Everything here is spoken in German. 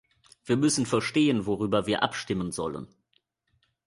Wir müssen verstehen, worüber wir abstimmen sollen.